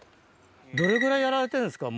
どれぐらいやられてるんですか？